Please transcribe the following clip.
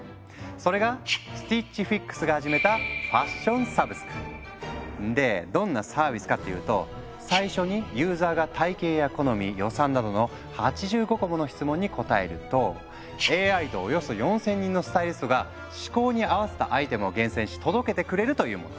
それがスティッチ・フィックスが始めたでどんなサービスかっていうと最初にユーザーが体型や好み予算などの８５個もの質問に答えるとＡＩとおよそ４，０００人のスタイリストが嗜好に合わせたアイテムを厳選し届けてくれるというもの。